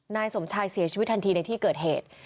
นายสมชายเสียชีวิตทันทีในที่เกิดเหตุ